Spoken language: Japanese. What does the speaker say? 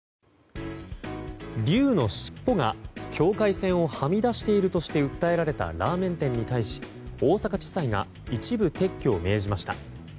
．．．龍の尻尾が境界線をはみ出しているとして訴えられたラーメン店に対し大阪地裁が一部撤去を命じました。